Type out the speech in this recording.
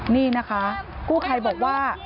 นี่นะคะกู้ภัยบอกว่า